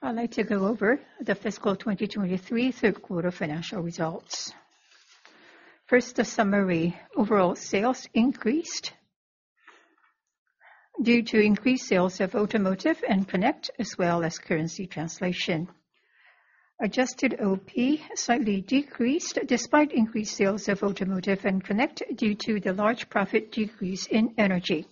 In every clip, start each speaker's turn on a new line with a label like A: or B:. A: I'd like to go over the Fiscal 2023 Third Quarter Financial Results. First, the summary. Overall sales increased due to increased sales of Automotive and Connect, as well as currency translation. Adjusted OP slightly decreased despite increased sales of Automotive and Connect due to the large profit decrease in Energy.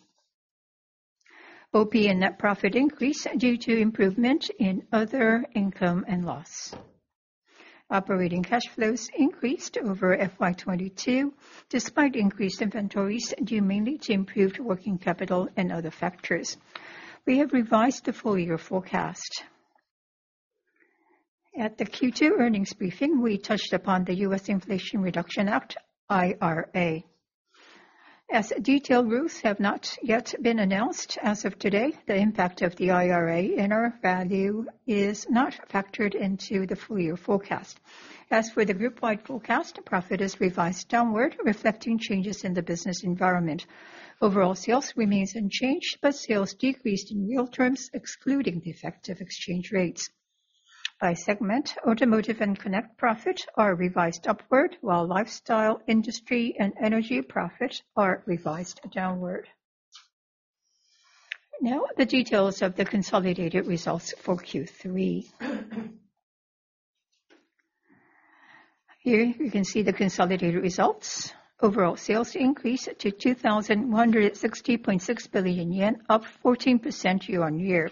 A: OP and net profit increased due to improvement in other income and loss. Operating cash flows increased over FY 2022 despite increased inventories, due mainly to improved working capital and other factors. We have revised the full-year forecast. At the Q2 earnings briefing, we touched upon the U.S. Inflation Reduction Act, IRA. Detailed rules have not yet been announced, as of today, the impact of the IRA in our value is not factored into the full-year forecast. For the group-wide forecast, profit is revised downward, reflecting changes in the business environment. Overall sales remain unchanged. Sales decreased in real terms, excluding the effect of exchange rates. By segment, Automotive and Connect profit are revised upward while Lifestyle, Industry, and Energy profit are revised downward. The details of the consolidated results for Q3. You can see the consolidated results. Overall sales increased to 2,160.6 billion yen, up 14% year-on-year.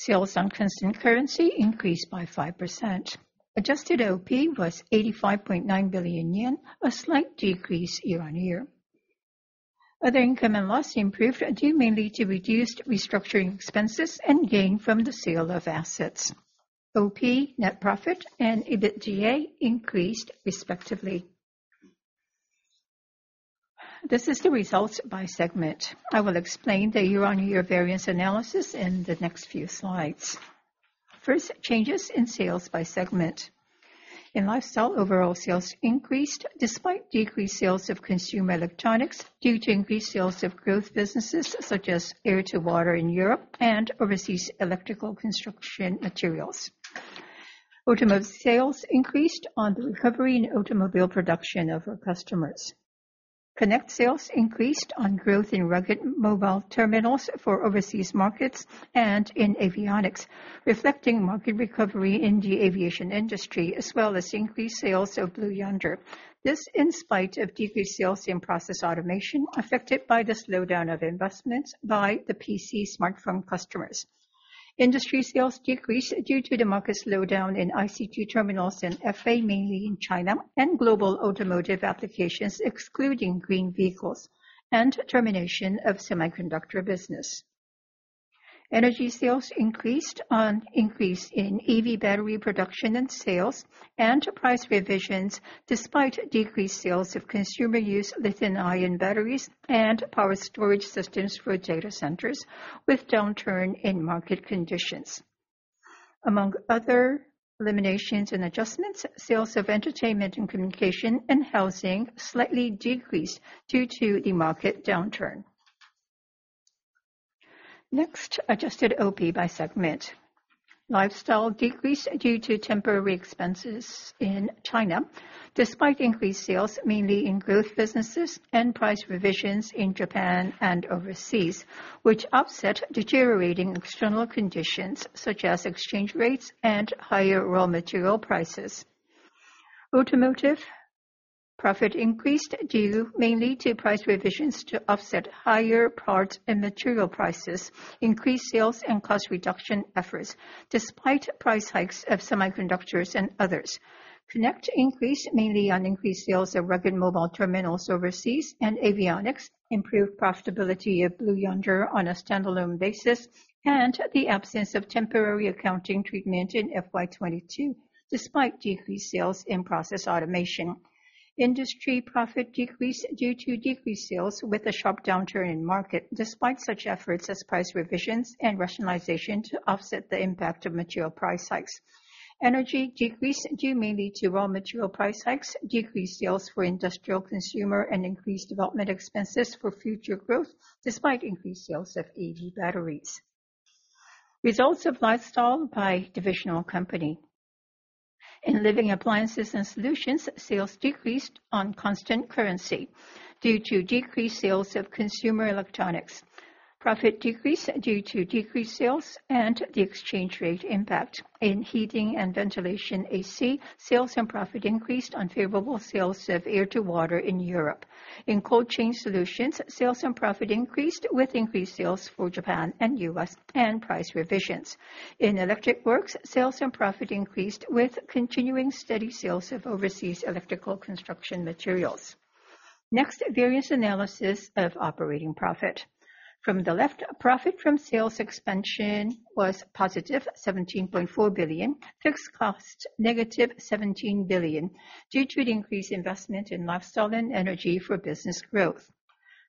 A: Sales on constant currency increased by 5%. Adjusted OP was 85.9 billion yen, a slight decrease year-on-year. Other income and loss improved due mainly to reduced restructuring expenses and gain from the sale of assets. OP net profit and EBITDA increased respectively. This is the results by segment. I will explain the year-on-year variance analysis in the next few slides. First, changes in sales by segment. In Lifestyle, overall sales increased despite decreased sales of consumer electronics due to increased sales of growth businesses such as Air to Water in Europe and overseas electrical construction materials. Automotive sales increased on the recovery in automobile production of our customers. Connect sales increased on growth in rugged mobile terminals for overseas markets and in avionics, reflecting market recovery in the aviation industry, as well as increased sales of Blue Yonder. This in spite of decreased sales in Process Automation, affected by the slowdown of investments by the PC smartphone customers. Industry sales decreased due to the market slowdown in ICT terminals and FA, mainly in China and global automotive applications, excluding green vehicles and termination of semiconductor business. Energy sales increased on increase in EV battery production and sales and price revisions despite decreased sales of consumer use lithium-ion batteries and power storage systems for data centers with downturn in market conditions. Among other eliminations and adjustments, sales of entertainment and communication and housing slightly decreased due to the market downturn. Next, adjusted OP by segment. Lifestyle decreased due to temporary expenses in China despite increased sales mainly in growth businesses and price revisions in Japan and overseas, which offset deteriorating external conditions such as exchange rates and higher raw material prices. Automotive profit increased due mainly to price revisions to offset higher parts and material prices, increased sales and cost reduction efforts despite price hikes of semiconductors and others. Connect increased mainly on increased sales of rugged mobile terminals overseas and avionics, improved profitability of Blue Yonder on a standalone basis and the absence of temporary accounting treatment in FY 2022 despite decreased sales in Process Automation. Industry profit decreased due to decreased sales with a sharp downturn in market despite such efforts as price revisions and rationalization to offset the impact of material price hikes. Energy decreased due mainly to raw material price hikes, decreased sales for industrial consumer and increased development expenses for future growth despite increased sales of EV batteries. Results of Lifestyle by divisional company. In Living Appliances and Solutions, sales decreased on constant currency due to decreased sales of consumer electronics. Profit decreased due to decreased sales and the exchange rate impact. In Heating and Ventilation, AC, sales and profit increased on favorable sales of Air to Water in Europe. In Cold Chain Solutions, sales and profit increased with increased sales for Japan and U.S. and price revisions. In Electric Works, sales and profit increased with continuing steady sales of overseas electrical construction materials. Next, variance analysis of operating profit. From the left, profit from sales expansion was +17.4 billion, fixed cost -17 billion due to the increased investment in Lifestyle and Energy for business growth.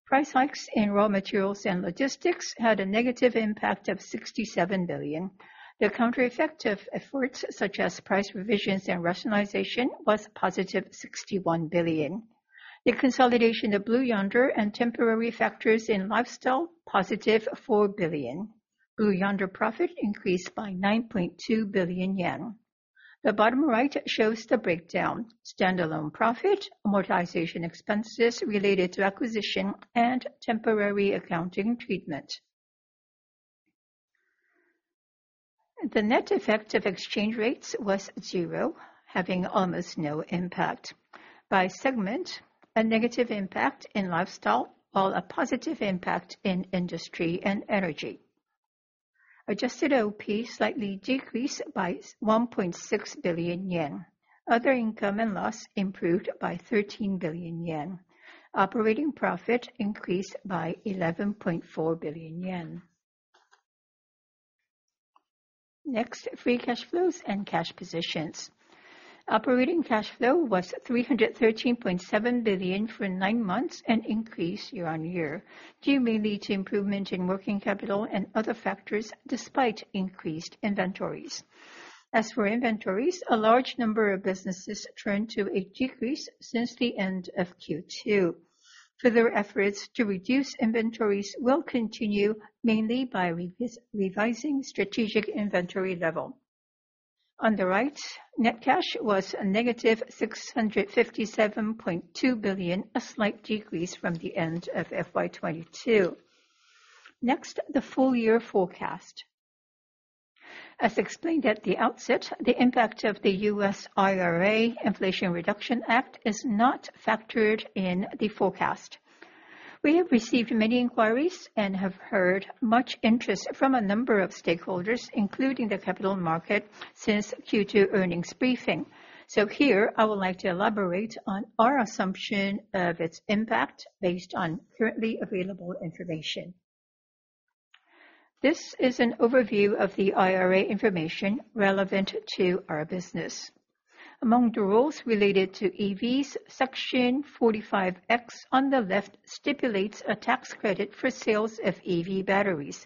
A: Price hikes in raw materials and logistics had a negative impact of 67 billion. The counter-effective efforts such as price revisions and rationalization was +61 billion. The consolidation of Blue Yonder and temporary factors in Lifestyle, +4 billion. Blue Yonder profit increased by 9.2 billion yen. The bottom right shows the breakdown. Standalone profit, amortization expenses related to acquisition, and temporary accounting treatment. The net effect of exchange rates was zero, having almost no impact. By segment, a negative impact in Lifestyle, while a positive impact in Industry and Energy. Adjusted OP slightly decreased by 1.6 billion yen. Other income and loss improved by 13 billion yen. Operating profit increased by 11.4 billion yen. Next, free cash flows and cash positions. Operating cash flow was 313.7 billion for 9 months, and increased year-on-year, due mainly to improvement in working capital and other factors despite increased inventories. As for inventories, a large number of businesses turned to a decrease since the end of Q2. Further efforts to reduce inventories will continue, mainly by revising strategic inventory level. On the right, net cash was a negative 657.2 billion, a slight decrease from the end of FY 2022. Next, the full year forecast. As explained at the outset, the impact of the U.S. IRA, Inflation Reduction Act, is not factored in the forecast. We have received many inquiries and have heard much interest from a number of stakeholders, including the capital market, since Q2 earnings briefing. Here, I would like to elaborate on our assumption of its impact based on currently available information. This is an overview of the IRA information relevant to our business. Among the rules related to EVs, Section 45X on the left stipulates a tax credit for sales of EV batteries.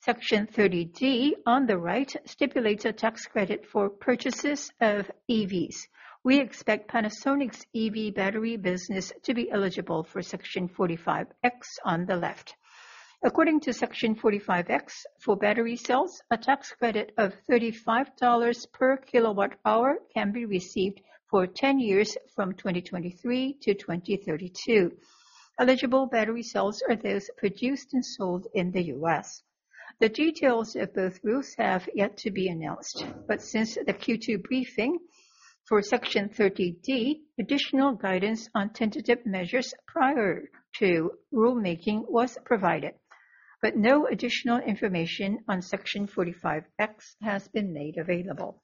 A: Section 30D on the right stipulates a tax credit for purchases of EVs. We expect Panasonic's EV battery business to be eligible for Section 45X on the left. According to Section 45X, for battery cells, a tax credit of $35 per kilowatt-hour can be received for 10 years from 2023 to 2032. Eligible battery cells are those produced and sold in the U.S. The details of both rules have yet to be announced, but since the Q2 briefing for Section 30D, additional guidance on tentative measures prior to rulemaking was provided, but no additional information on Section 45X has been made available.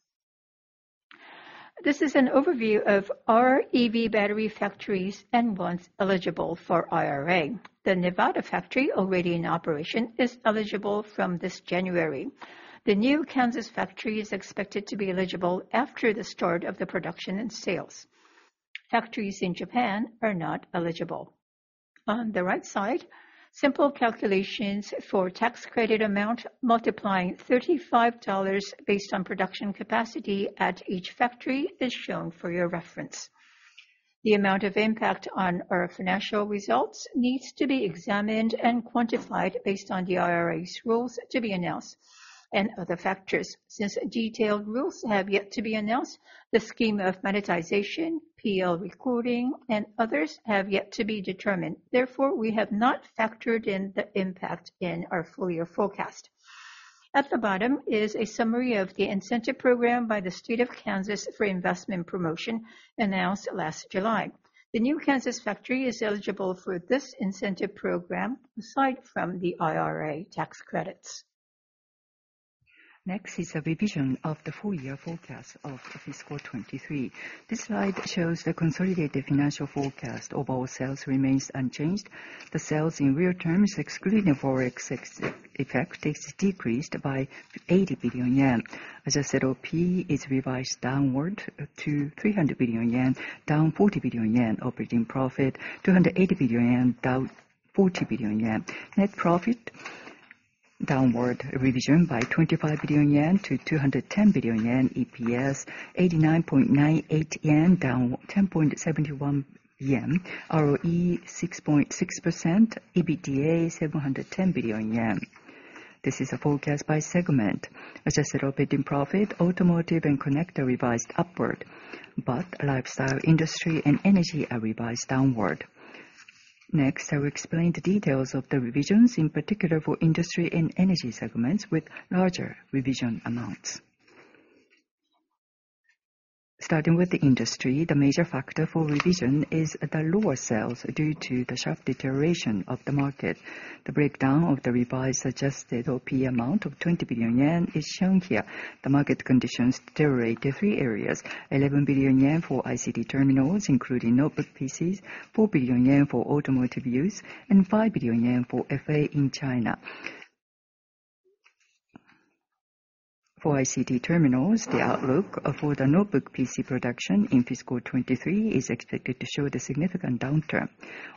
A: This is an overview of our EV battery factories and ones eligible for IRA. The Nevada factory, already in operation, is eligible from this January. The new Kansas factory is expected to be eligible after the start of the production and sales. Factories in Japan are not eligible. On the right side, simple calculations for tax credit amount multiplying $35 based on production capacity at each factory is shown for your reference. The amount of impact on our financial results needs to be examined and quantified based on the IRA's rules to be announced and other factors. Since detailed rules have yet to be announced, the scheme of monetization, P&L recording, and others have yet to be determined. Therefore, we have not factored in the impact in our full year forecast. At the bottom is a summary of the incentive program by the State of Kansas for investment promotion announced last July. The new Kansas factory is eligible for this incentive program aside from the IRA tax credits.
B: Next is a revision of the full year forecast of fiscal twenty-three. This slide shows the consolidated financial forecast of our sales remains unchanged. The sales in real terms, excluding Forex ex-effect, is decreased by eighty billion yen. Adjusted OP is revised downward to three hundred billion yen, down forty billion yen. Operating profit, two hundred eighty billion yen, down forty billion yen. Net profit, downward revision by twenty-five billion yen to two hundred ten billion yen. EPS, eighty-nine point nine eight yen, down ten point seventy-one yen. ROE, six point six percent. EBITDA, seven hundred ten billion yen. This is a forecast by segment. Adjusted operating profit, automotive and connect are revised upward, but lifestyle, industry and energy are revised downward. Next, I will explain the details of the revisions, in particular for industry and energy segments with larger revision amounts. Starting with the industry, the major factor for revision is the lower sales due to the sharp deterioration of the market. The breakdown of the revised OP amount of 20 billion yen is shown here. The market conditions deteriorate in three areas, 11 billion yen for ICT terminals, including notebook PCs, 4 billion yen for Automotive use, and 5 billion yen for FA in China. For ICT terminals, the outlook for the notebook PC production in fiscal 2023 is expected to show the significant downturn.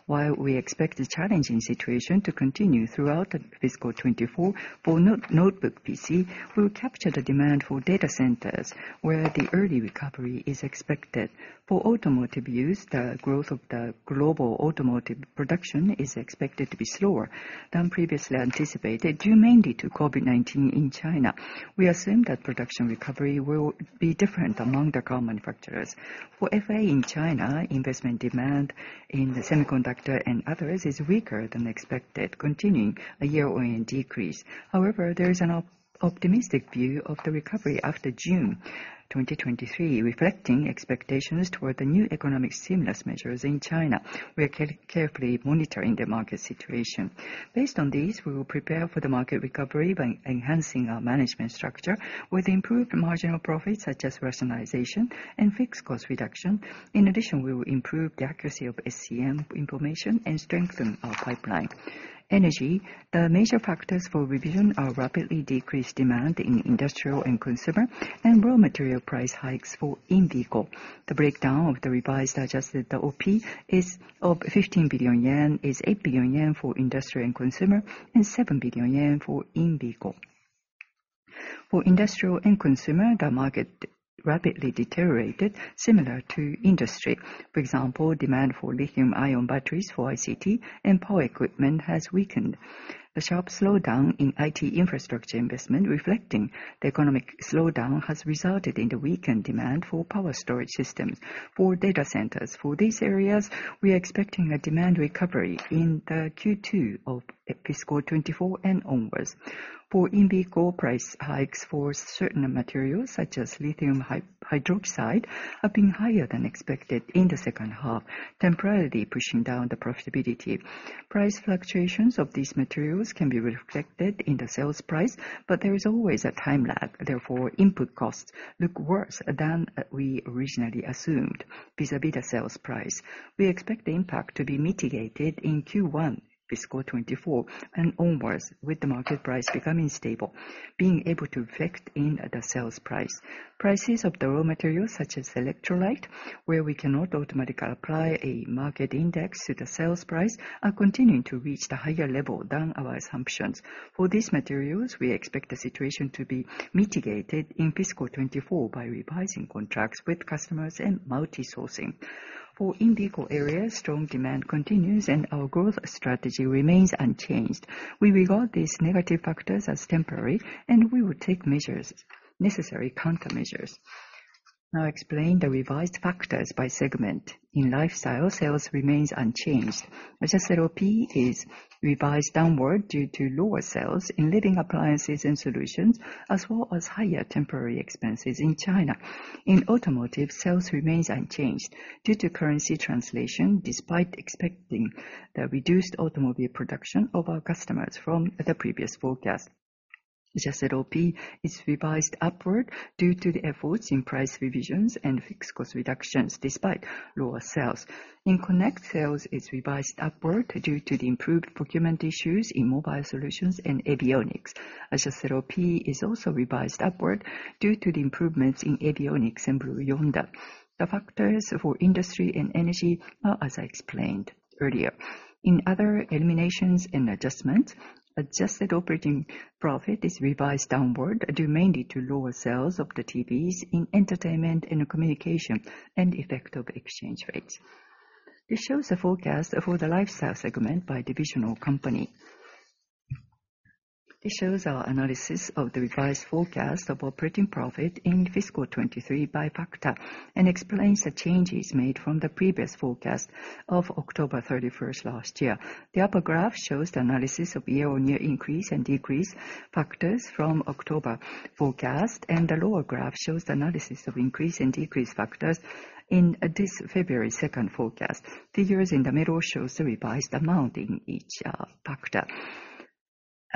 B: While we expect the challenging situation to continue throughout the fiscal 2024, for not-notebook PC, we will capture the demand for data centers, where the early recovery is expected. For Automotive use, the growth of the global Automotive production is expected to be slower than previously anticipated, due mainly to COVID-19 in China. We assume that production recovery will be different among the car manufacturers. For FA in China, investment demand in the semiconductor and others is weaker than expected, continuing a year-on-year decrease. There is an optimistic view of the recovery after June 2023, reflecting expectations toward the new economic stimulus measures in China. We are carefully monitoring the market situation. Based on these, we will prepare for the market recovery by enhancing our management structure with improved marginal profits, such as rationalization and fixed cost reduction. We will improve the accuracy of SCM information and strengthen our pipeline. Energy, the major factors for revision are rapidly decreased demand in industrial and consumer and raw material price hikes for in-vehicle. The breakdown of the revised adjusted OP is, of 15 billion yen, is 8 billion yen for industrial and consumer and 7 billion yen for in-vehicle. For industrial and consumer, the market rapidly deteriorated similar to Industry. For example, demand for lithium-ion batteries for ICT and power equipment has weakened. The sharp slowdown in IT infrastructure investment reflecting the economic slowdown has resulted in the weakened demand for power storage systems for data centers. For these areas, we are expecting a demand recovery in the Q2 of fiscal 2024 and onwards. For in-vehicle price hikes for certain materials, such as lithium hydroxide, have been higher than expected in the second half, temporarily pushing down the profitability. Price fluctuations of these materials can be reflected in the sales price, but there is always a time lag. Therefore, input costs look worse than we originally assumed vis-a-vis the sales price. We expect the impact to be mitigated in Q1 fiscal 2024 and onwards with the market price becoming stable, being able to reflect in the sales price. Prices of the raw materials, such as electrolyte, where we cannot automatically apply a market index to the sales price, are continuing to reach the higher level than our assumptions. For these materials, we expect the situation to be mitigated in fiscal 2024 by revising contracts with customers and multisourcing. For in-vehicle areas, strong demand continues and our growth strategy remains unchanged. We regard these negative factors as temporary, and we will take measures, necessary countermeasures. I'll explain the revised factors by segment. In Lifestyle, sales remains unchanged. Adjusted OP is revised downward due to lower sales in Living Appliances and Solutions, as well as higher temporary expenses in China. In Automotive, sales remains unchanged due to currency translation, despite expecting the reduced automobile production of our customers from the previous forecast. Adjusted OP is revised upward due to the efforts in price revisions and fixed cost reductions despite lower sales. In Connect, sales is revised upward due to the improved procurement issues in mobile solutions and avionics. Adjusted OP is also revised upward due to the improvements in avionics and Blue Yonder. The factors for Industry and Energy are as I explained earlier. In other eliminations and adjustments, Adjusted Operating Profit is revised downward due mainly to lower sales of the TVs in entertainment and communication and effect of exchange rates. This shows the forecast for the Lifestyle segment by divisional company. This shows our analysis of the revised forecast of operating profit in fiscal 2023 by factor and explains the changes made from the previous forecast of October 31st last year. The upper graph shows the analysis of year-on-year increase and decrease factors from October forecast, and the lower graph shows the analysis of increase and decrease factors in this February 2nd forecast. Figures in the middle shows the revised amount in each factor.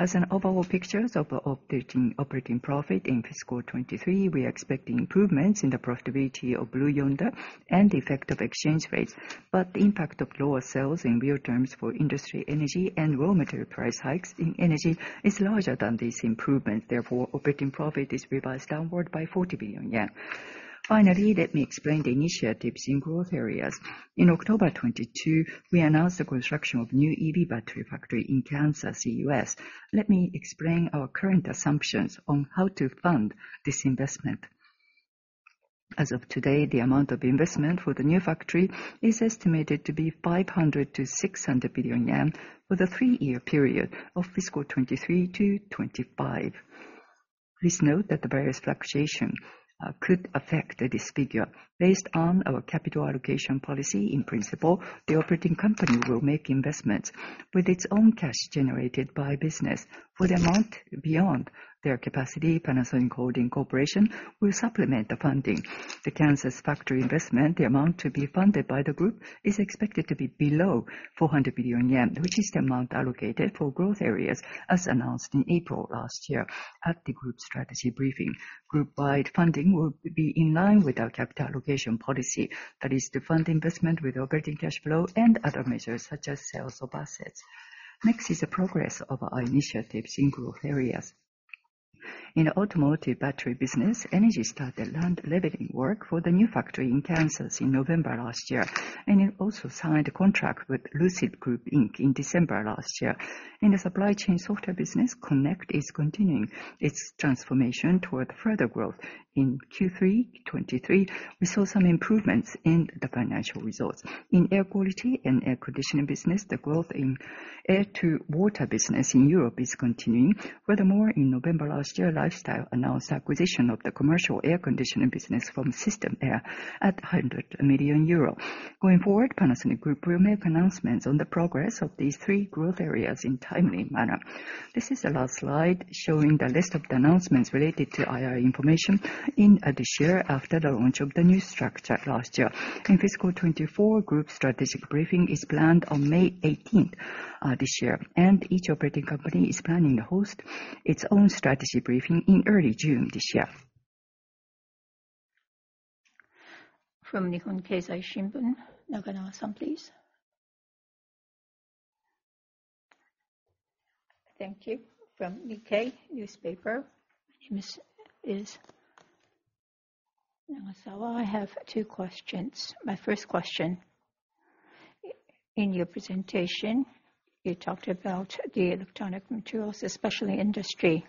B: As an overall pictures of updating operating profit in fiscal 2023, we expect improvements in the profitability of Blue Yonder and effect of exchange rates. The impact of lower sales in real terms for Industry Energy and raw material price hikes in Energy is larger than these improvements. Therefore, operating profit is revised downward by 40 billion yen. Finally, let me explain the initiatives in growth areas. In October 2022, we announced the construction of new EV battery factory in Kansas, U.S. Let me explain our current assumptions on how to fund this investment. As of today, the amount of investment for the new factory is estimated to be 500 billion-600 billion yen with a 3-year period of fiscal 2023-2025. Please note that the various fluctuation could affect this figure. Based on our capital allocation policy, in principle, the operating company will make investments with its own cash generated by business. For the amount beyond their capacity, Panasonic Holdings Corporation will supplement the funding. The Kansas factory investment, the amount to be funded by the group, is expected to be below 400 billion yen, which is the amount allocated for growth areas, as announced in April last year at the group strategy briefing. Group-wide funding will be in line with our capital allocation policy. That is to fund investment with operating cash flow and other measures, such as sales of assets. Next is the progress of our initiatives in growth areas.
A: In Automotive battery business, Energy started land leveling work for the new factory in Kansas in November last year, and it also signed a contract with Lucid Group, Inc. in December last year. In the supply chain software business, Connect is continuing its transformation toward further growth. In Q3 '23, we saw some improvements in the financial results. In air quality and air conditioning business, the growth in Air to Water business in Europe is continuing. Furthermore, in November last year, Lifestyle announced acquisition of the commercial air conditioning business from Systemair at 100 million euro. Going forward, Panasonic Group will make announcements on the progress of these three growth areas in timely manner. This is the last slide, showing the list of the announcements related to IR information in this year after the launch of the new structure last year. In fiscal 2024, group strategic briefing is planned on May 18th this year. Each operating company is planning to host its own strategy briefing in early June this year.
C: From Nihon Keizai Shimbun, Naganawa-san, please.
D: Thank you. From NK newspaper. My name is Nagasawa. I have 2 questions. My first question. In your presentation, you talked about the electronic materials, especially Industry.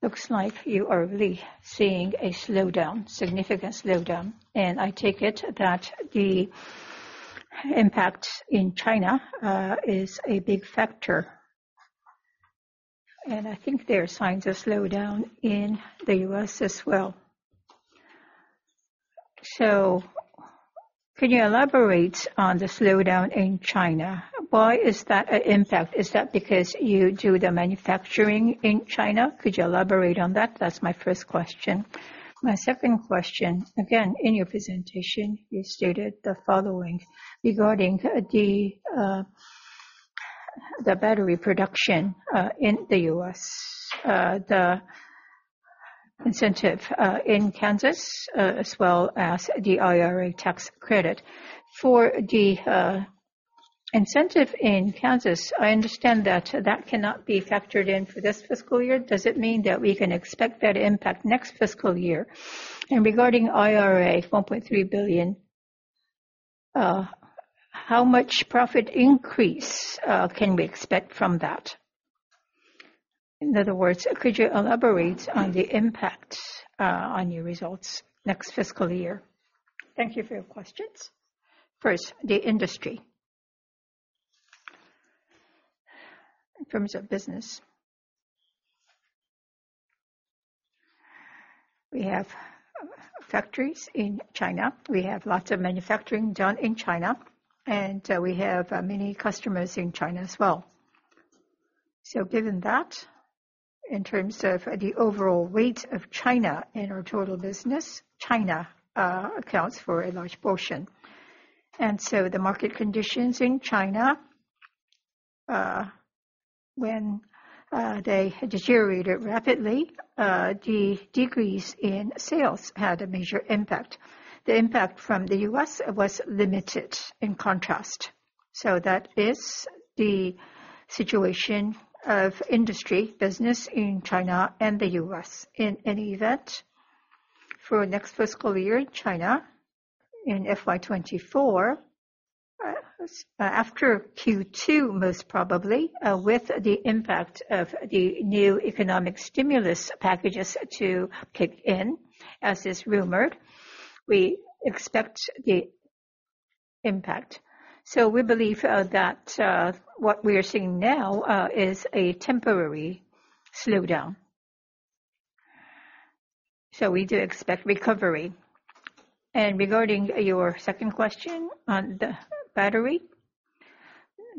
D: Looks like you are really seeing a slowdown, significant slowdown. I take it that the impact in China is a big factor. I think there are signs of slowdown in the U.S. as well. Can you elaborate on the slowdown in China? Why is that an impact? Is that because you do the manufacturing in China? Could you elaborate on that? That's my first question. My second question, again, in your presentation, you stated the following regarding the battery production, in the U.S., the incentive, in Kansas, as well as the IRA tax credit. For the incentive in Kansas, I understand that that cannot be factored in for this fiscal year. Does it mean that we can expect that impact next fiscal year? Regarding IRA, $4.3 billion, how much profit increase, can we expect from that? In other words, could you elaborate on the impact, on your results next fiscal year?
A: Thank you for your questions. First, the industry. In terms of business, we have factories in China, we have lots of manufacturing done in China, we have many customers in China as well. Given that, in terms of the overall weight of China in our total business, China accounts for a large portion. The market conditions in China, when they deteriorated rapidly, the decrease in sales had a major impact. The impact from the U.S. was limited in contrast. That is the situation of Industry business in China and the U.S. In any event, for next fiscal year, China, in FY 2024, after Q2, most probably, with the impact of the new economic stimulus packages to kick in as is rumored, we expect the impact. We believe that what we are seeing now is a temporary slowdown. We do expect recovery. Regarding your second question on the battery,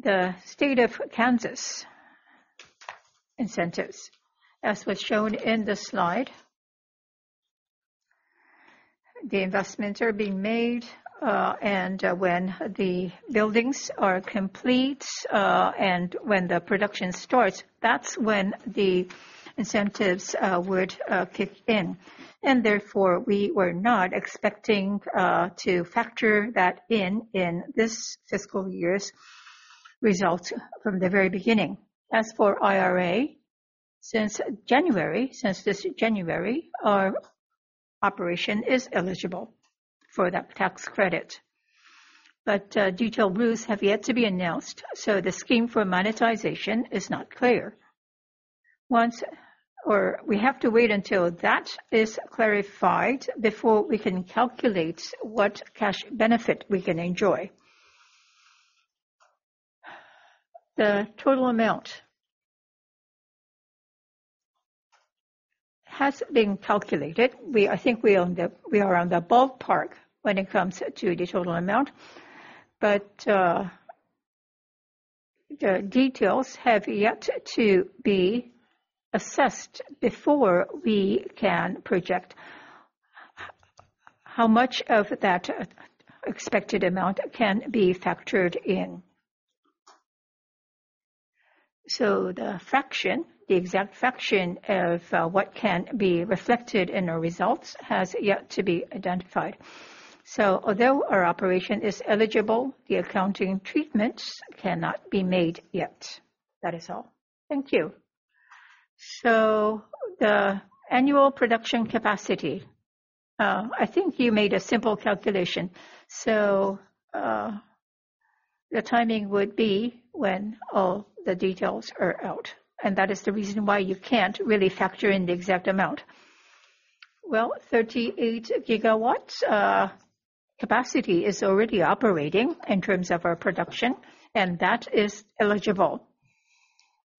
A: the State of Kansas incentives, as was shown in the slide, the investments are being made, and when the buildings are complete, and when the production starts, that's when the incentives would kick in. Therefore, we were not expecting to factor that in in this fiscal year's results from the very beginning. As for IRA, since January, since this January, our operation is eligible for that tax credit. Detailed rules have yet to be announced, so the scheme for monetization is not clear. We have to wait until that is clarified before we can calculate what cash benefit we can enjoy. The total amount has been calculated. I think we are on the ballpark when it comes to the total amount. The details have yet to be assessed before we can project how much of that expected amount can be factored in. The fraction, the exact fraction of what can be reflected in our results has yet to be identified. Although our operation is eligible, the accounting treatments cannot be made yet. That is all.
D: Thank you. The annual production capacity, I think you made a simple calculation. The timing would be when all the details are out, and that is the reason why you can't really factor in the exact amount.
A: Well, 38 gigawatts capacity is already operating in terms of our production, and that is eligible.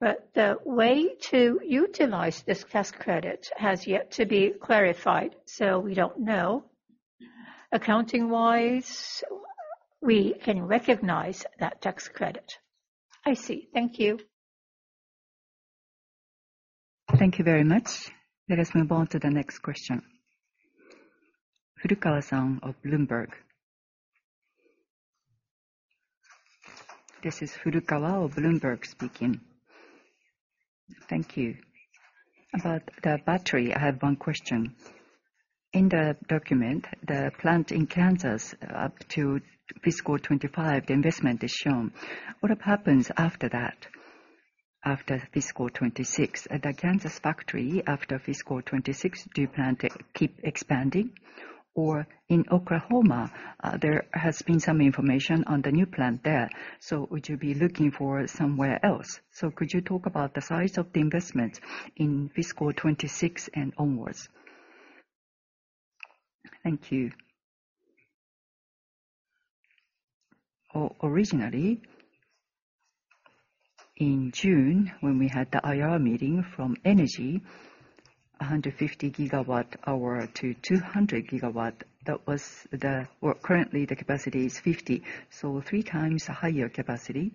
A: The way to utilize this tax credit has yet to be clarified, so we don't know. Accounting-wise, we can recognize that tax credit.
D: I see. Thank you.
C: Thank you very much. Let us move on to the next question. Furukawa San of Bloomberg.
E: This is Furukawa of Bloomberg speaking. Thank you. About the battery, I have one question. In the document, the plant in Kansas up to fiscal 2025, the investment is shown. What happens after that, after fiscal 2026? At the Kansas factory, after fiscal 2026, do you plan to keep expanding? In Oklahoma, there has been some information on the new plant there. Would you be looking for somewhere else? Could you talk about the size of the investment in fiscal 2026 and onwards? Thank you.
A: Originally, in June, when we had the IR meeting from Energy, 150 gigawatt-hour to 200 gigawatt, that was the... Well, currently the capacity is 50, so 3X higher capacity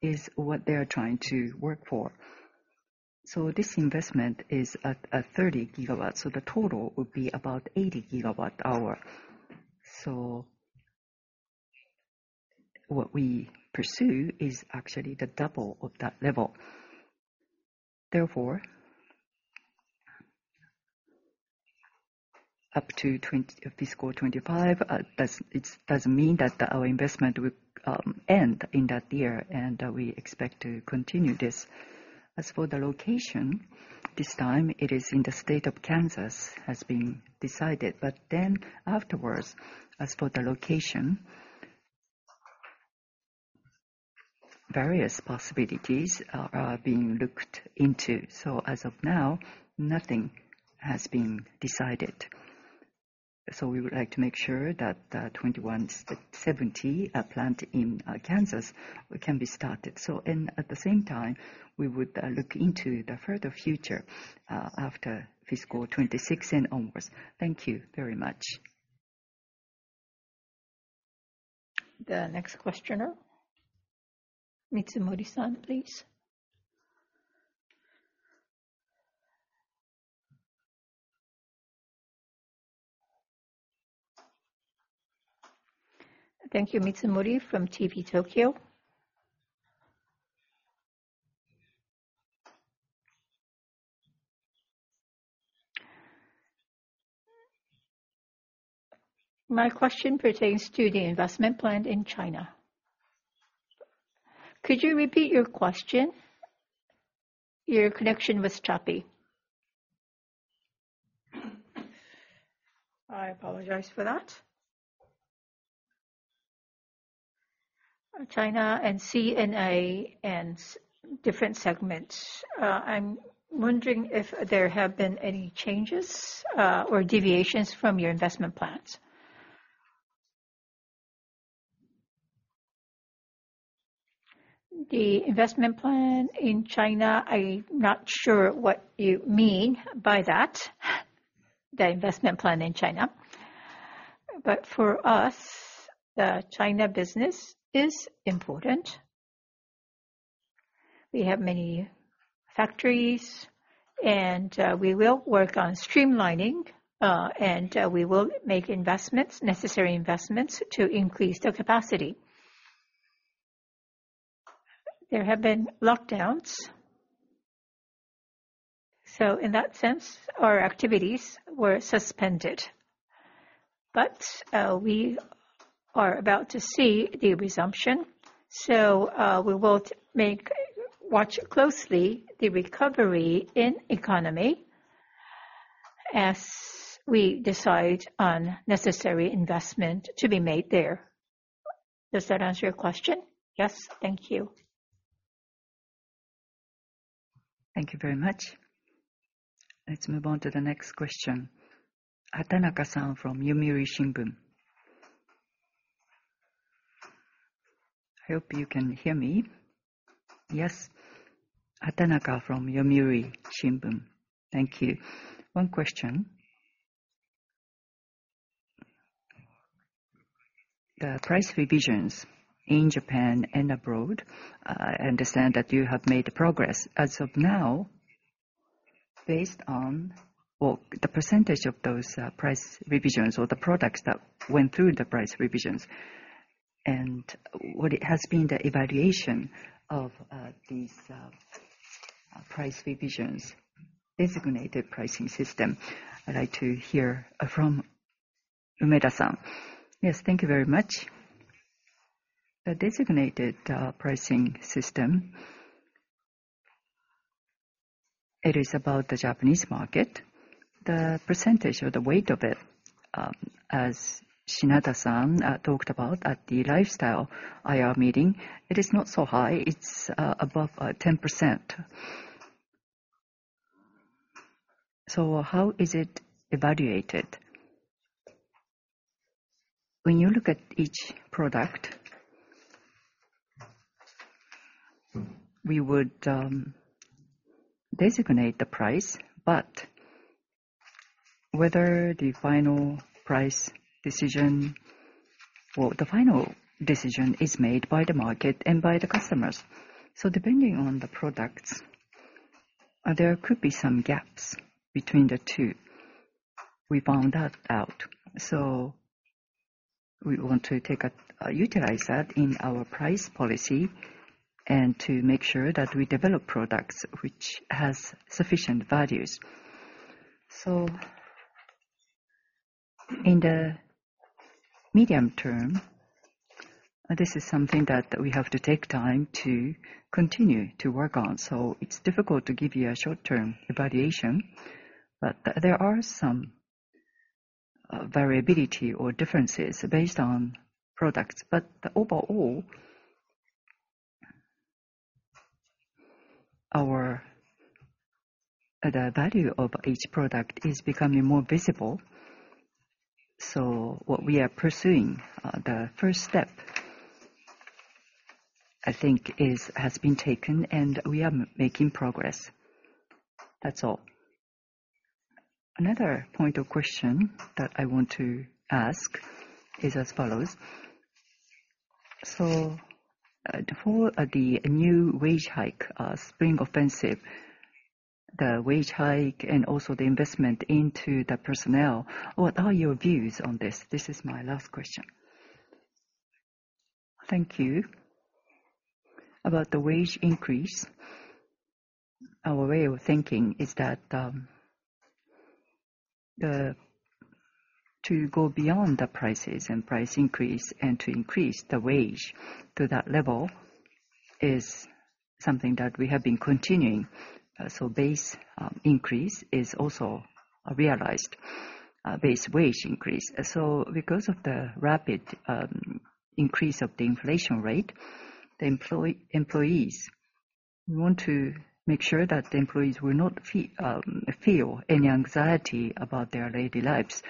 A: is what they are trying to work for. This investment is at 30 gigawatts, so the total would be about 80 gigawatt-hour. What we pursue is actually the double of that level. Therefore, up to fiscal 2025, it doesn't mean that our investment will end in that year, and we expect to continue this. As for the location, this time it is in the state of Kansas, has been decided. Afterwards, as for the location, various possibilities are being looked into. As of now, nothing has been decided. We would like to make sure that the 2170 plant in Kansas can be started. And at the same time, we would look into the further future after fiscal 2026 and onwards. Thank you very much.
C: The next questioner. Mitsumori San, please.
F: Thank you. Mitsumori from TV Tokyo. My question pertains to the investment plan in China.
A: Could you repeat your question? Your connection was choppy.
F: I apologize for that. China and CNI and different segments. I'm wondering if there have been any changes or deviations from your investment plans.
A: The investment plan in China, I'm not sure what you mean by that, the investment plan in China. For us, the China business is important. We have many factories, we will work on streamlining, and we will make investments, necessary investments to increase the capacity. There have been lockdowns, in that sense, our activities were suspended. We are about to see the resumption. We will watch closely the recovery in economy as we decide on necessary investment to be made there. Does that answer your question?
F: Yes. Thank you.
C: Thank you very much. Let's move on to the next question. Hatanaka from Yomiuri Shimbun.
G: I hope you can hear me.
C: Yes.
G: Hatanaka from Yomiuri Shimbun. Thank you. One question. The price revisions in Japan and abroad, I understand that you have made progress. As of now, based on, well, the percentage of those price revisions or the products that went through the price revisions and what has been the evaluation of these Price revisions. Designated pricing system. I'd like to hear from Umeda-san.
A: Yes. Thank you very much. The designated pricing system, it is about the Japanese market. The percentage or the weight of it, as Shinada-san talked about at the Lifestyle IR meeting, it is not so high. It's above 10%.
G: So how is it evaluated?
A: When you look at each product, we would designate the price, but whether the final price decision or the final decision is made by the market and by the customers. Depending on the products, there could be some gaps between the two. We found that out. We want to utilize that in our price policy and to make sure that we develop products which has sufficient values. In the medium term, this is something that we have to take time to continue to work on. It's difficult to give you a short-term evaluation, but there are some variability or differences based on products. Overall, the value of each product is becoming more visible. What we are pursuing, the first step, I think has been taken, and we are making progress. That's all.
G: Another point of question that I want to ask is as follows. For the new wage hike, spring offensive, the wage hike, and also the investment into the personnel, what are your views on this? This is my last question. Thank you.
B: About the wage increase, our way of thinking is that to go beyond the prices and price increase and to increase the wage to that level is something that we have been continuing. Base increase is also realized, base wage increase. Because of the rapid increase of the inflation rate, the employees, we want to make sure that the employees will not feel any anxiety about their daily lives.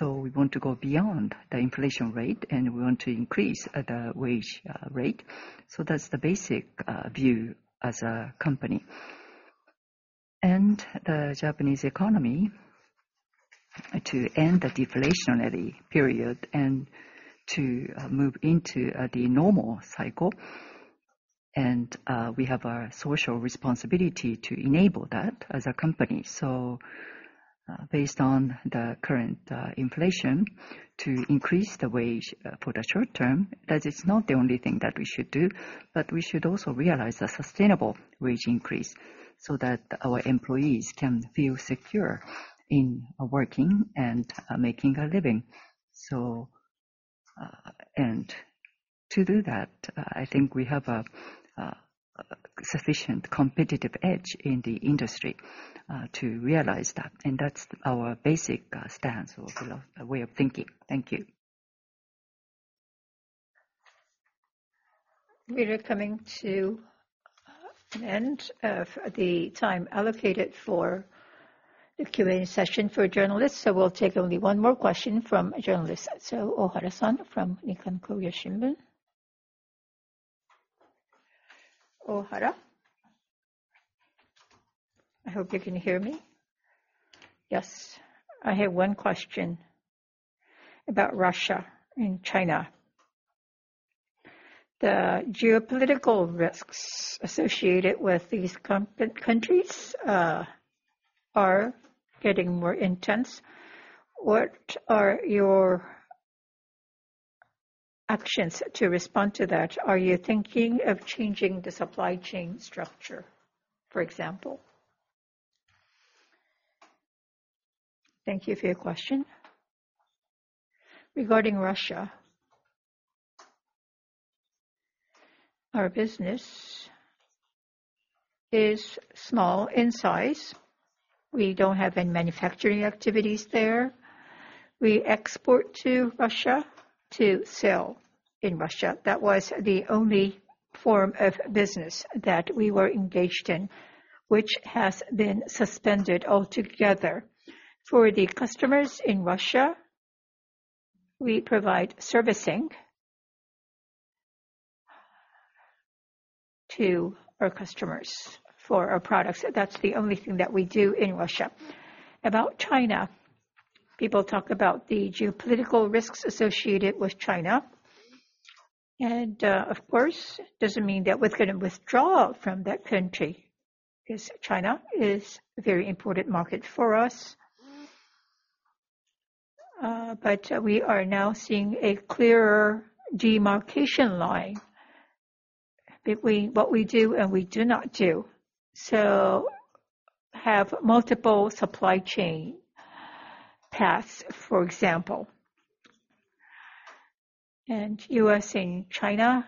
B: We want to go beyond the inflation rate, and we want to increase the wage rate. That's the basic view as a company. The Japanese economy to end the deflationary period and to move into the normal cycle and we have a social responsibility to enable that as a company. Based on the current inflation to increase the wage for the short term, that is not the only thing that we should do, but we should also realize a sustainable wage increase so that our employees can feel secure in working and making a living. To do that, I think we have a sufficient competitive edge in the industry to realize that, and that's our basic stance or, you know, way of thinking.
G: Thank you.
C: We are coming to an end of the time allocated for the Q&A session for journalists, so we'll take only one more question from a journalist. Ohara-san from Nikkan Kogyo Shimbun. Ohara, I hope you can hear me.
H: Yes. I have one question about Russia and China. The geopolitical risks associated with these countries, are getting more intense. What are your actions to respond to that? Are you thinking of changing the supply chain structure, for example?
B: Thank you for your question. Regarding Russia, our business is small in size. We don't have any manufacturing activities there. We export to Russia to sell in Russia. That was the only form of business that we were engaged in, which has been suspended altogether. For the customers in Russia, we provide servicing to our customers for our products. That's the only thing that we do in Russia. About China, people talk about the geopolitical risks associated with China, and, of course, doesn't mean that we're gonna withdraw from that country 'cause China is a very important market for us. We are now seeing a clearer demarcation line between what we do and we do not do. Have multiple supply chain paths, for example. U.S. and China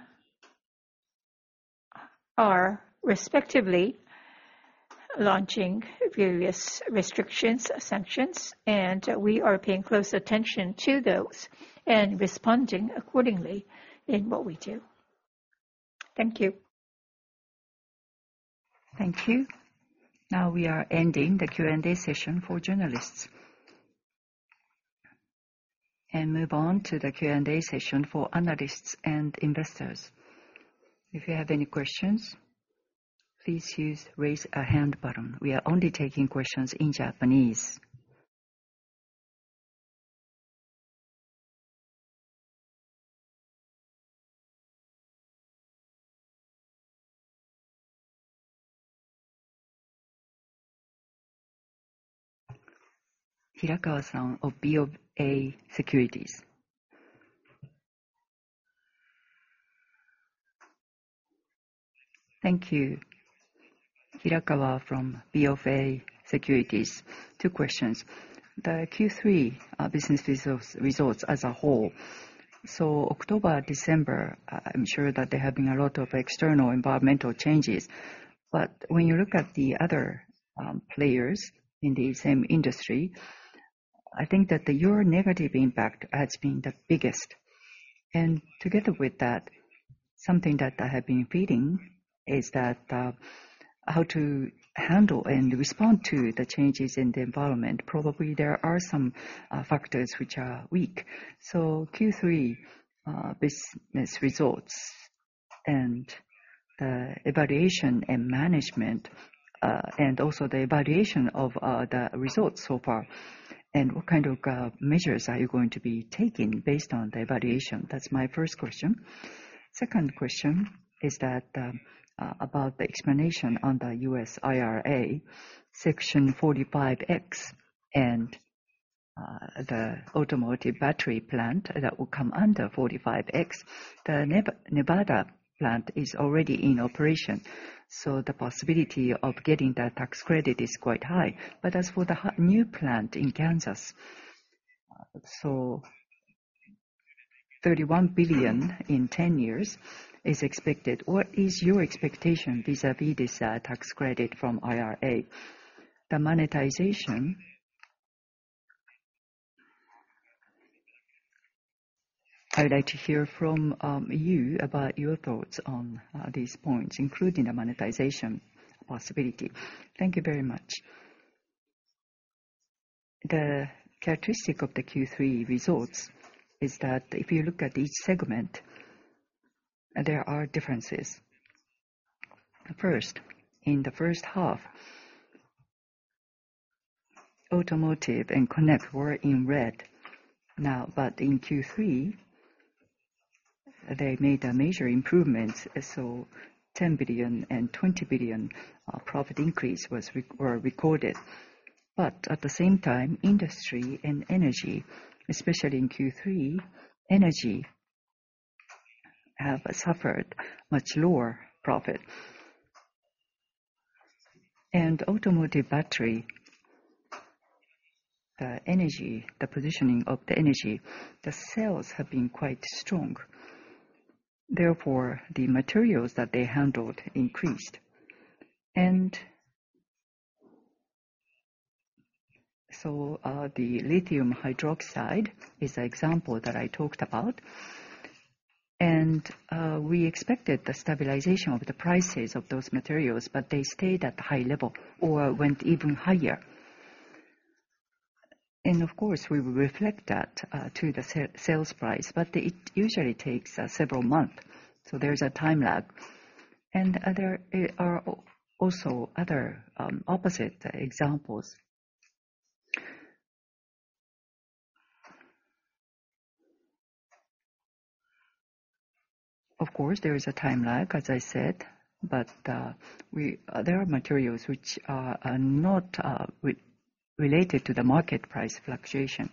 B: are respectively launching various restrictions, sanctions, and we are paying close attention to those and responding accordingly in what we do. Thank you.
C: Thank you. Now we are ending the Q&A session for journalists. Move on to the Q&A session for analysts and investors. If you have any questions, please use Raise Hand button. We are only taking questions in Japanese. Hirakawa-san of BofA Securities.
I: Thank you. Hirakawa from BofA Securities. 2 questions. The Q3 business results as a whole. October, December, I'm sure that there have been a lot of external environmental changes. When you look at the other players in the same industry, I think that your negative impact has been the biggest. Together with that, something that I have been reading is that, how to handle and respond to the changes in the environment, probably there are some factors which are weak. Q3 business results and the evaluation and management, and also the evaluation of the results so far, and what kind of measures are you going to be taking based on the evaluation? That's my first question. Second question is that, about the explanation on the U.S. IRA Section 45X and the Automotive battery plant that will come under 45X. The Nevada plant is already in operation, so the possibility of getting that tax credit is quite high. As for the new plant in Kansas, 31 billion in 10 years is expected. What is your expectation vis-à-vis this tax credit from IRA? The monetization. I would like to hear from you about your thoughts on these points, including the monetization possibility. Thank you very much.
B: The characteristic of the Q3 results is that if you look at each segment, there are differences. First, in the first half, Automotive and Connect were in red. In Q3, they made a major improvement, 10 billion and 20 billion profit increase was recorded. At the same time, Industry and Energy, especially in Q3, Energy have suffered much lower profit. Automotive Battery, the Energy, the positioning of the Energy, the sales have been quite strong. The materials that they handled increased. The lithium hydroxide is an example that I talked about. We expected the stabilization of the prices of those materials, they stayed at high level or went even higher. Of course, we will reflect that to the sales price, but it usually takes several month, so there's a time lag. Other are also other opposite examples. Of course, there is a time lag, as I said, but there are materials which are not related to the market price fluctuation.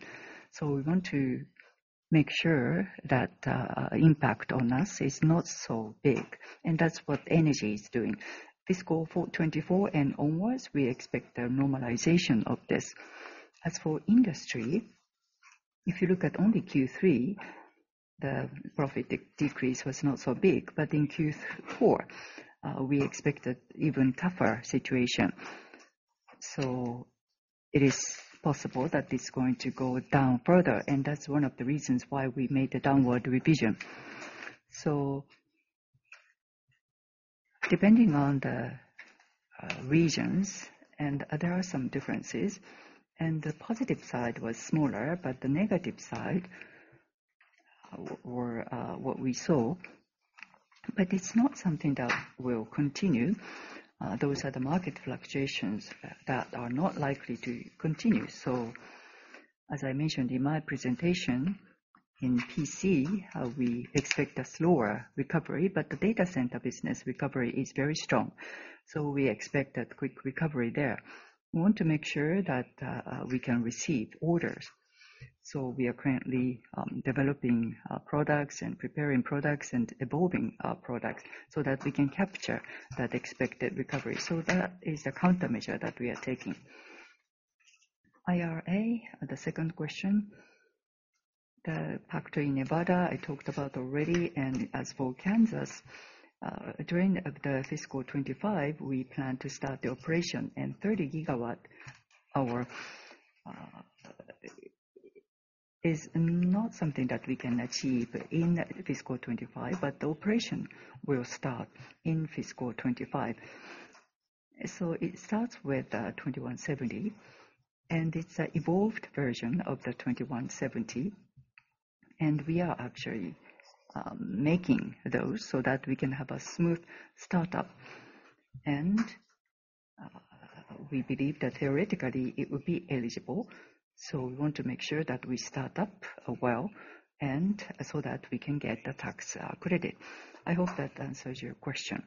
B: We want to make sure that impact on us is not so big, and that's what Energy is doing. Fiscal for 2024 and onwards, we expect a normalization of this. As for Industry, if you look at only Q3, the profit decrease was not so big. In Q4, we expect a even tougher situation. It is possible that it's going to go down further, and that's one of the reasons why we made a downward revision. Depending on the regions, there are some differences, and the positive side was smaller, but the negative side were what we saw. It's not something that will continue. Those are the market fluctuations that are not likely to continue. As I mentioned in my presentation.
A: In PC, we expect a slower recovery, but the data center business recovery is very strong, so we expect a quick recovery there. We want to make sure that we can receive orders, so we are currently developing products and preparing products and evolving our products so that we can capture that expected recovery. That is a countermeasure that we are taking. IRA, the second question. The factory in Nevada, I talked about already. As for Kansas, during the fiscal 2025, we plan to start the operation and 30 gigawatt-hour is not something that we can achieve in fiscal 2025, but the operation will start in fiscal 2025. It starts with the 2170, and it's an evolved version of the 2170. We are actually making those so that we can have a smooth startup. We believe that theoretically it would be eligible, so we want to make sure that we start up well and so that we can get the tax credit. I hope that answers your question.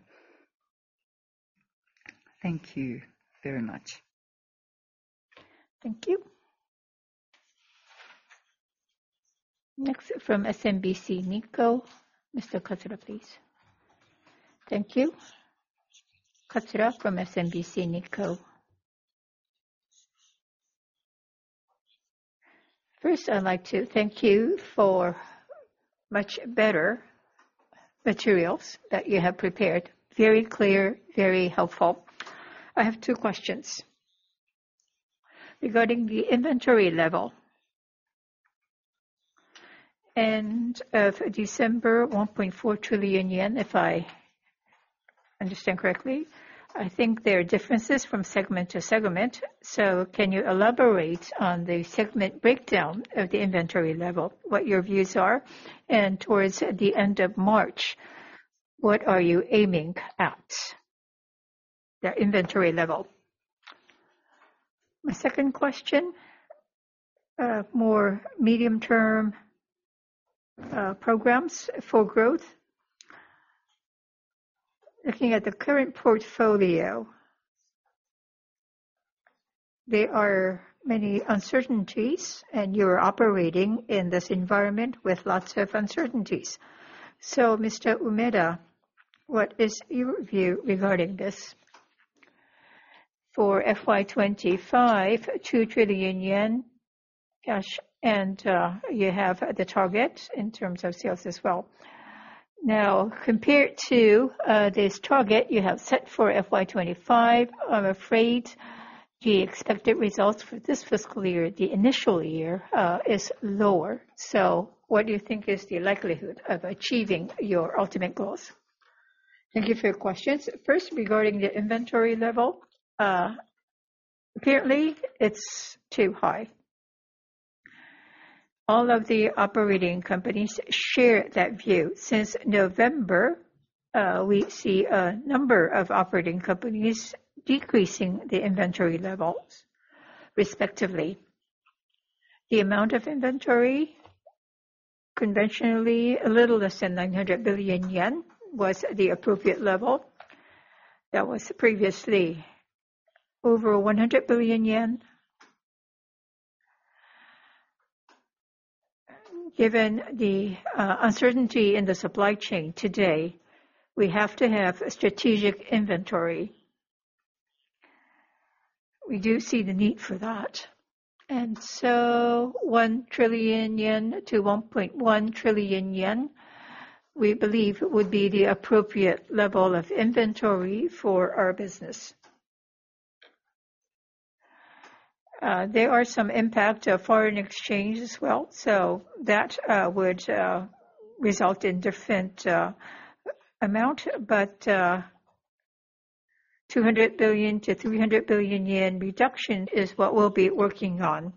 I: Thank you very much.
C: Thank you. Next from SMBC Nikko. Mr. Katsura, please.
J: Thank you. Katsura from SMBC Nikko. First, I'd like to thank you for much better materials that you have prepared. Very clear, very helpful. I have 2 questions. Regarding the inventory level, end of December, 1.4 trillion yen, if I understand correctly. I think there are differences from segment to segment, so can you elaborate on the segment breakdown of the inventory level, what your views are? Towards the end of March, what are you aiming at, the inventory level? My 2nd question, more medium-term programs for growth. Looking at the current portfolio, there are many uncertainties, you are operating in this environment with lots of uncertainties. Mr. Umeda, what is your view regarding this? For FY 2025, 2 trillion yen cash, you have the target in terms of sales as well. Compared to this target you have set for FY 2025, I'm afraid the expected results for this fiscal year, the initial year, is lower. What do you think is the likelihood of achieving your ultimate goals?
A: Thank you for your questions. First, regarding the inventory level, apparently it's too high. All of the operating companies share that view. Since November, we see a number of operating companies decreasing the inventory levels respectively. The amount of inventory, conventionally a little less than 900 billion yen, was the appropriate level. That was previously over JPY 100 billion. Given the uncertainty in the supply chain today, we have to have strategic inventory. We do see the need for that. 1 trillion-1.1 trillion yen, we believe would be the appropriate level of inventory for our business. There are some impact to foreign exchange as well, so that would result in different amount. 200 billion-300 billion yen reduction is what we'll be working on,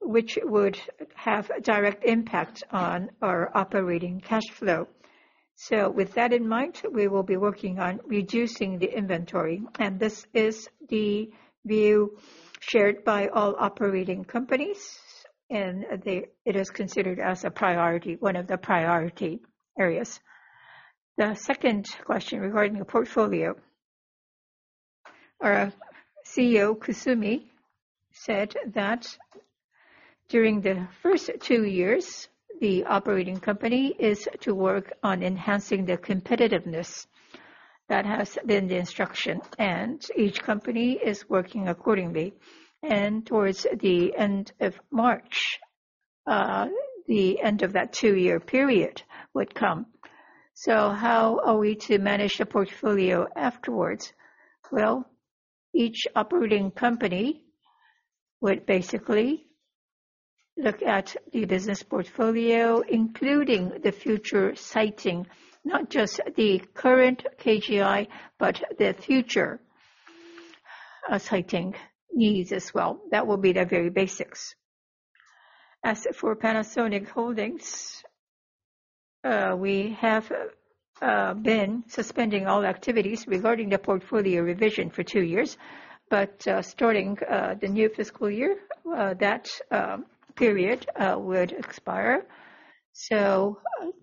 A: which would have a direct impact on our operating cash flow. With that in mind, we will be working on reducing the inventory. This is the view shared by all operating companies, and it is considered as a priority, one of the priority areas. The second question regarding the portfolio. Our CEO, Kusumi, said that during the first two years, the operating company is to work on enhancing the competitiveness. That has been the instruction. Each company is working accordingly. Towards the end of March, the end of that two-year period would come. How are we to manage the portfolio afterwards? Well, each operating company would basically look at the business portfolio, including the future siting, not just the current KGI, but the future siting needs as well. That will be the very basics. As for Panasonic Holdings, we have been suspending all activities regarding the portfolio revision for two years, but starting the new fiscal year, that period would expire.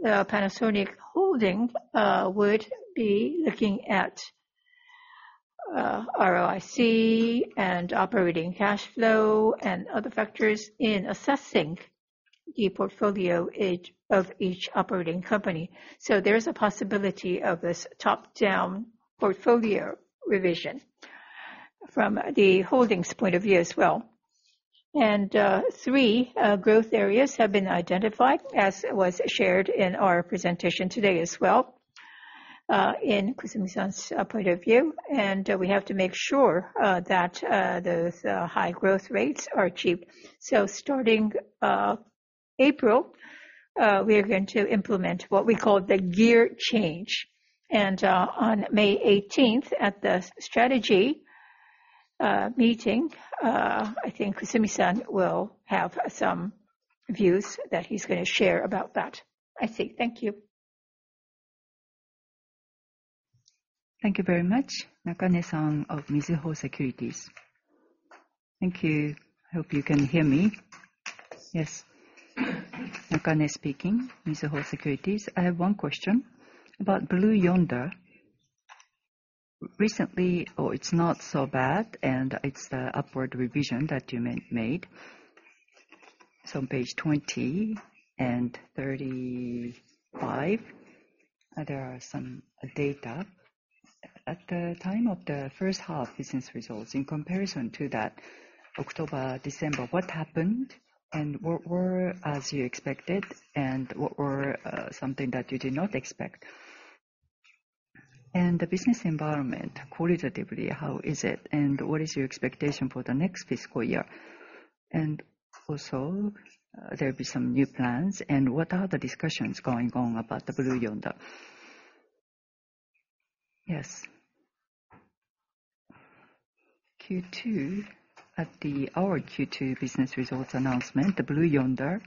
A: Panasonic Holdings would be looking at ROIC and operating cash flow and other factors in assessing the portfolio of each operating company. There's a possibility of this top-down portfolio revision from the Holdings point of view as well. Three growth areas have been identified as was shared in our presentation today as well, in Kusumi-san's point of view. We have to make sure that those high growth rates are achieved. Starting April, we are going to implement what we call the gear change. On May 18th, at the strategy meeting, I think Kusumi-san will have some views that he's gonna share about that, I think.
J: Thank you.
C: Thank you very much. Nakane-san of Mizuho Securities.
K: Thank you. I hope you can hear me.
C: Yes.
K: Nakane speaking, Mizuho Securities. I have one question about Blue Yonder. Recently, or it's not so bad, it's the upward revision that you made. On page 20 and 35, there are some data. At the time of the first half business results, in comparison to that October, December, what happened? What were as you expected, and what were something that you did not expect? The business environment qualitatively, how is it? What is your expectation for the next fiscal year? Also, there'll be some new plans. What are the discussions going on about the Blue Yonder?
B: Yes. Q2. Our Q2 business results announcement, the Blue Yonder,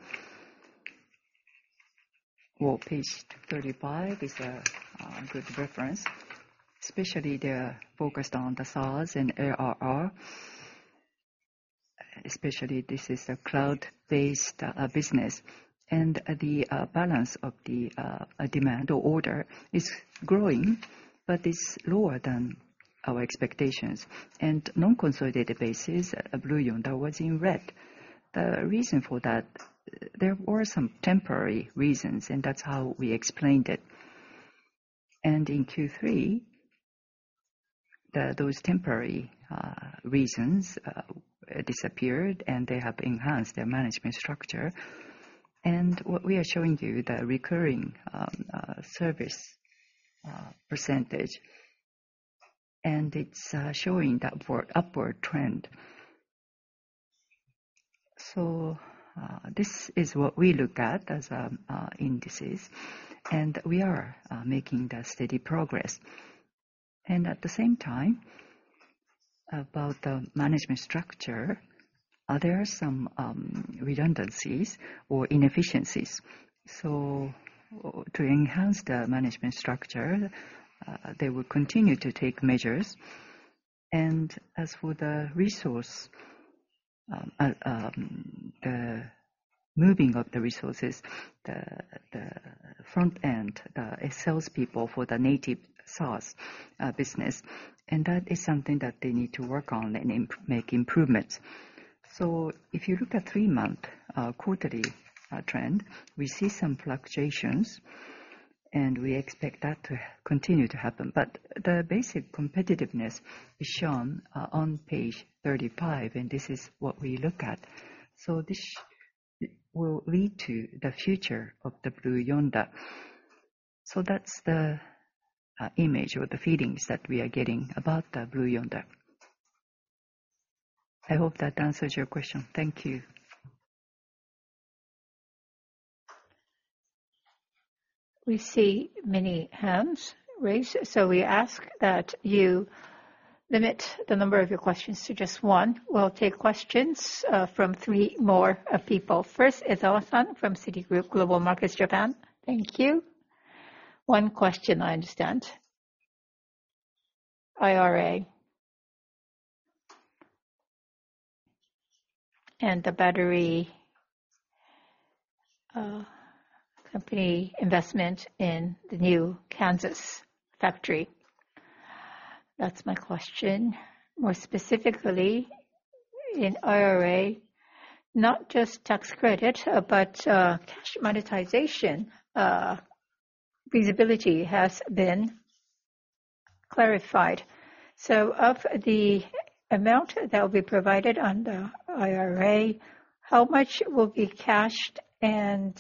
B: page 35 is a good reference, especially they are focused on the SaaS and ARR, especially this is a cloud-based business. The balance of the demand or order is growing, but it's lower than our expectations. Non-consolidated basis, Blue Yonder was in red. The reason for that, there were some temporary reasons, and that's how we explained it. In Q3, those temporary reasons disappeared, and they have enhanced their management structure. What we are showing you, the recurring service percentage, and it's showing the upward trend. This is what we look at as indices, and we are making the steady progress. At the same time, about the management structure, are there some redundancies or inefficiencies? To enhance the management structure, they will continue to take measures. As for the resource, the moving of the resources, the front end, the salespeople for the native SaaS business, that is something that they need to work on and make improvements. If you look at 3-month quarterly trend, we see some fluctuations, and we expect that to continue to happen. The basic competitiveness is shown on page 35, and this is what we look at. This will lead to the future of the Blue Yonder. That's the image or the feelings that we are getting about the Blue Yonder. I hope that answers your question.
K: Thank you.
C: We see many hands raised, so we ask that you limit the number of your questions to just one. We'll take questions from 3 more people. First is Ezawa-san from Citigroup Global Markets Japan.
L: Thank you. 1 question, I understand. IRA. The battery company investment in the new Kansas factory. That's my question. More specifically, in IRA, not just tax credit, but cash monetization feasibility has been clarified. Of the amount that will be provided on the IRA, how much will be cashed and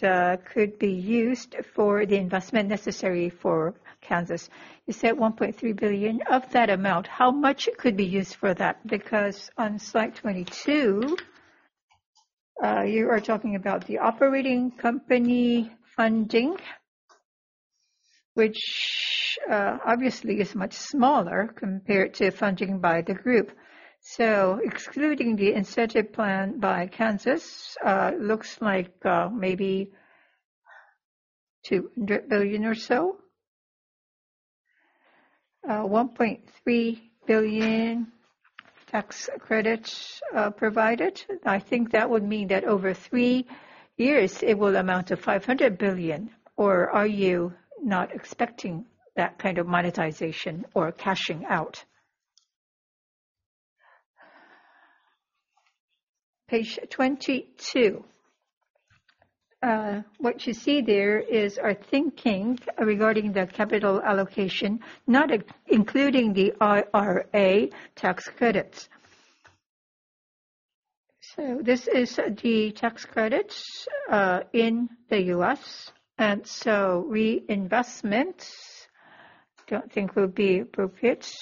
L: could be used for the investment necessary for Kansas? You said $1.3 billion. Of that amount, how much could be used for that? Because on slide 22, you are talking about the operating company funding. Which obviously is much smaller compared to funding by the group. Excluding the incentive plan by Kansas, looks like maybe $200 billion or so. $1.3 billion tax credits provided. I think that would mean that over three years it will amount to $500 billion. Are you not expecting that kind of monetization or cashing out?
A: Page 22. What you see there is our thinking regarding the capital allocation, not including the IRA tax credits. This is the tax credits in the U.S. and reinvestments, I don't think will be appropriate.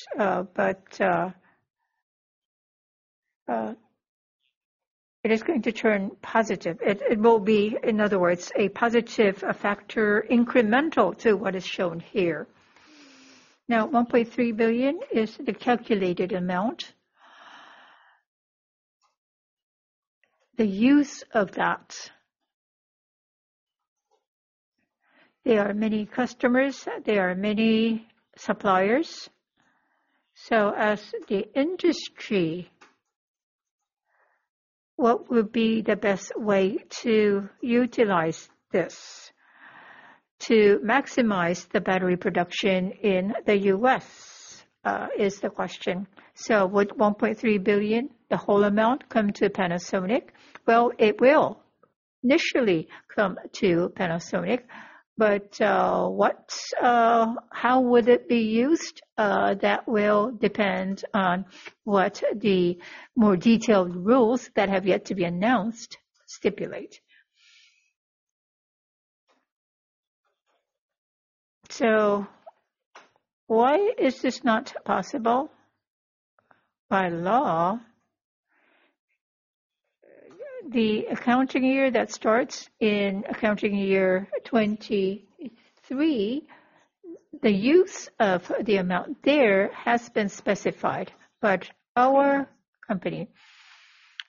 A: It is going to turn positive. It will be, in other words, a positive factor incremental to what is shown here. Now, $1.3 billion is the calculated amount. The use of that... There are many customers, there are many suppliers.
L: As the industry, what will be the best way to utilize this to maximize the battery production in the U.S., is the question. Would $1.3 billion, the whole amount, come to Panasonic?
A: Well, it will initially come to Panasonic, but, what's, how would it be used? That will depend on what the more detailed rules that have yet to be announced stipulate.
L: Why is this not possible?
A: By law, the accounting year that starts in accounting year 2023, the use of the amount there has been specified. Our company,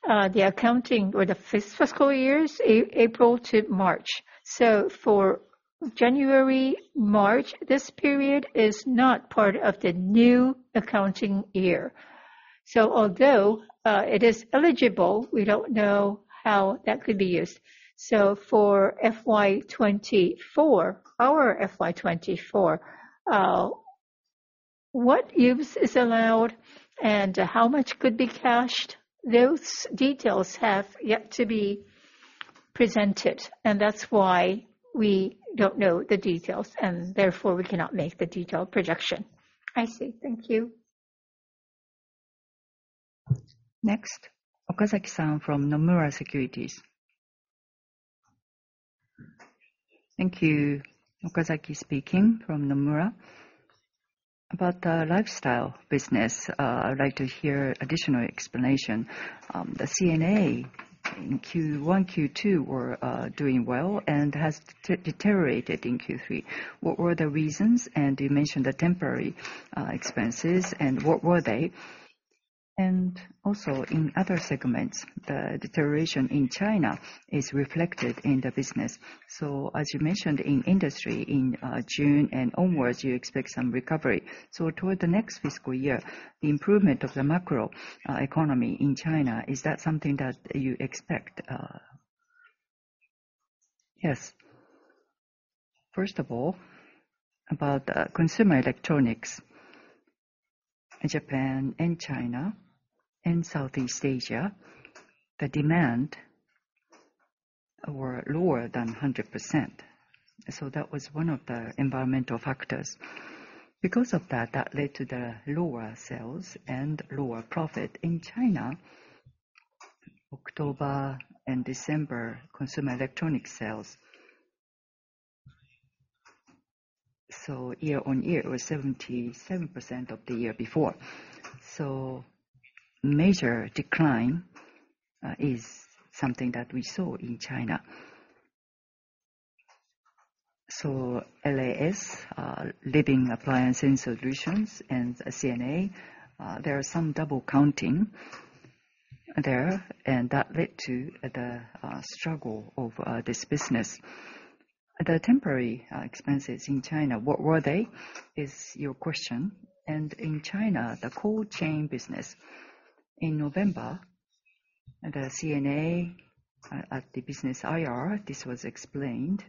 A: the accounting or fiscal year is April to March. For January, March, this period is not part of the new accounting year. Although, it is eligible, we don't know how that could be used.
L: For FY 2024, our FY 2024, what use is allowed and how much could be cashed?
A: Those details have yet to be presented, and that's why we don't know the details, and therefore we cannot make the detailed projection.
L: I see. Thank you.
C: Next, Okazaki-san from Nomura Securities.
M: Thank you. Okazaki speaking from Nomura. About the Lifestyle business, I would like to hear additional explanation. The CNA in Q1, Q2 were doing well and has deteriorated in Q3. What were the reasons? You mentioned the temporary expenses and what were they? In other segments, the deterioration in China is reflected in the business. As you mentioned in Industry, in June and onwards, you expect some recovery. Toward the next fiscal year, the improvement of the macro economy in China, is that something that you expect?
A: Yes. First of all, about consumer electronics. In Japan, in China, in Southeast Asia, the demand were lower than 100%. That was one of the environmental factors. Because of that led to the lower sales and lower profit. In China, October and December consumer electronic sales, year-on-year was 77% of the year before. Major decline is something that we saw in China. LAS, Living Appliances and Solutions and CNA, there are some double counting there, and that led to the struggle of this business. The temporary expenses in China, what were they? Is your question. In China, the Cold Chain business. In November, the CNA at the business IR, this was explained.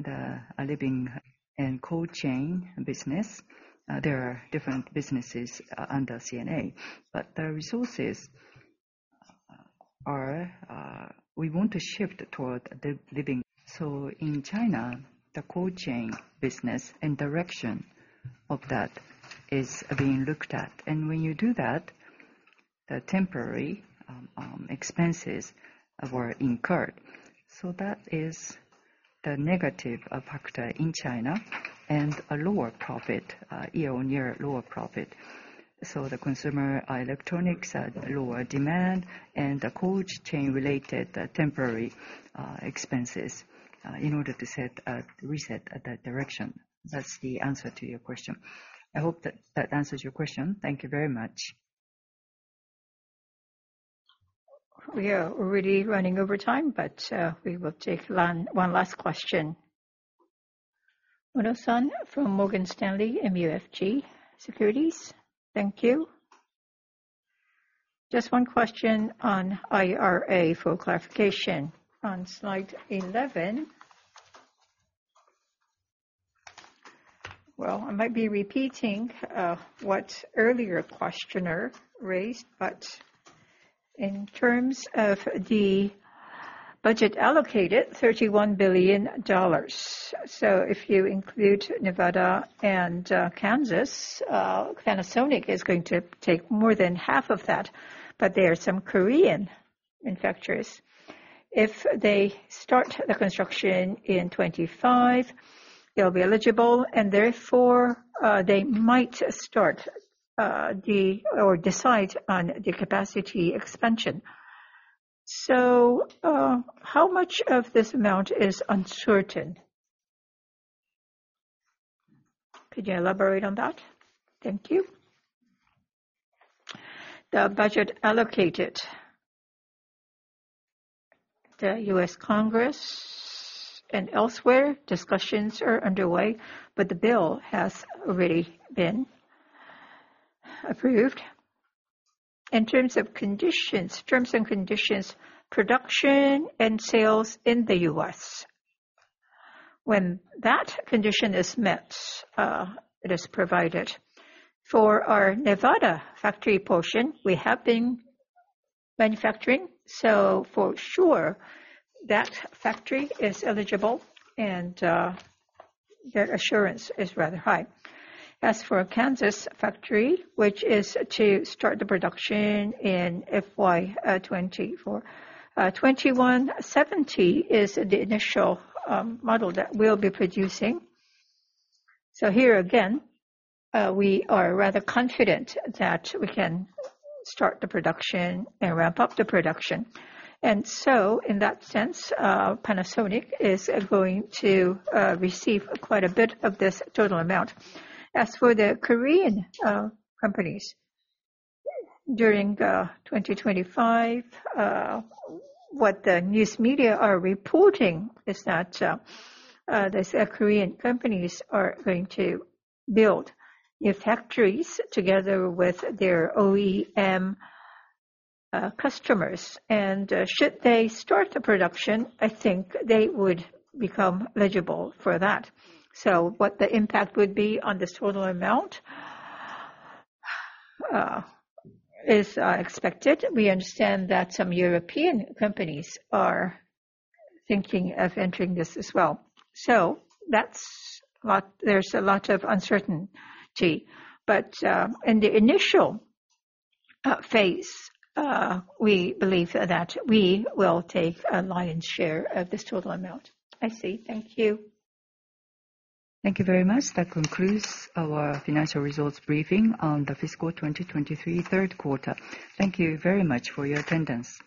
A: The living and Cold Chain business. There are different businesses under CNA, but the resources are... We want to shift toward the living. In China, the cold chain business and direction of that is being looked at. When you do that, the temporary expenses were incurred. That is the negative factor in China and a lower profit, year-on-year lower profit. The consumer electronics are lower demand and the cold chain related temporary expenses in order to reset that direction. That's the answer to your question. I hope that that answers your question.
M: Thank you very much.
C: We are already running over time, but we will take one last question. Ono-san from Morgan Stanley MUFG Securities.
N: Thank you. Just one question on IRA for clarification. On slide 11... Well, I might be repeating what earlier questioner raised, but in terms of the budget allocated, $31 billion. If you include Nevada and Kansas, Panasonic is going to take more than half of that, but there are some Korean manufacturers. If they start the construction in 25, they'll be eligible, and therefore, they might start or decide on the capacity expansion. How much of this amount is uncertain? Could you elaborate on that? Thank you.
A: The budget allocated. The U.S. Congress and elsewhere, discussions are underway, but the bill has already been approved. In terms of conditions, terms and conditions, production and sales in the U.S. When that condition is met, it is provided. For our Nevada factory portion, we have been manufacturing, so for sure that factory is eligible, and their assurance is rather high. As for Kansas factory, which is to start the production in FY 2024, 2170 is the initial model that we'll be producing. Here again, we are rather confident that we can start the production and ramp up the production. In that sense, Panasonic is going to receive quite a bit of this total amount. As for the Korean companies, during 2025, what the news media are reporting is that the Korean companies are going to build new factories together with their OEM customers. Should they start the production, I think they would become eligible for that. What the impact would be on this total amount is expected. We understand that some European companies are thinking of entering this as well. There's a lot of uncertainty. In the initial phase, we believe that we will take a lion's share of this total amount.
N: I see. Thank you.
C: Thank you very much. That concludes our financial results briefing on the fiscal 2023 third quarter. Thank you very much for your attendance.